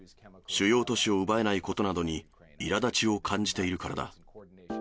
主要都市を奪えないことなどにいらだちを感じているからだ。